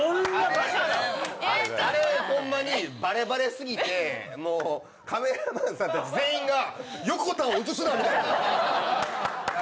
あれ、ホンマにバレバレすぎてもうカメラマンさんたち全員が横田を映すなみたいな。